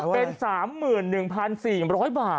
เป็น๓๑๔๐๐บาท